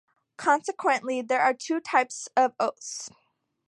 Consequently, there are also two types of oaths.